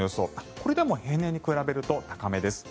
これでも平年に比べると高めです。